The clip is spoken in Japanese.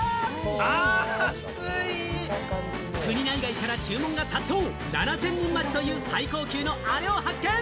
国内外から注文が殺到、７０００人待ちという最高級のあれを発見。